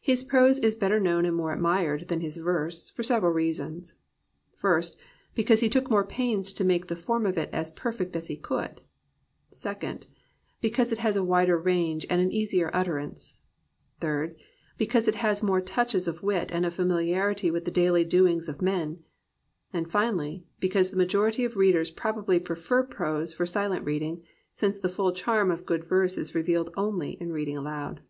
His prose is better known and more admired than his verse, for several reasons: first, because he took more pains to make the form of it as perfect as he could; second, because it has a wider range and an easier utterance; third, because it has more touches of wit and of familiarity with the daily doings of men; and finally, because the majority of readers probably prefer prose for silent reading, since the full charm of good verse is revealed only in reading aloud.